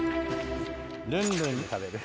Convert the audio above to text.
ルンルンで食べる？